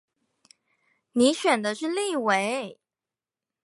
你選的是立委